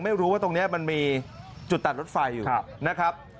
ไม่รู้ว่าตรงนี้มันมีจุดตัดรถไฟอยู่นะครับ